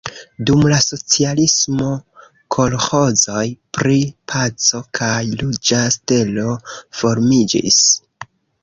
Dum la socialismo kolĥozoj pri Paco kaj Ruĝa Stelo formiĝis.